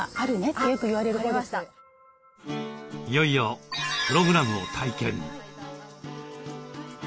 いよいよプログラムを体験。